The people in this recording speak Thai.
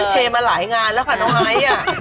เทมาหลายงานแล้วค่ะน้องไอซ์